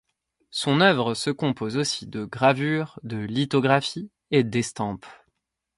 Son œuvre se compose aussi de gravures, de lithographies et d'estampes.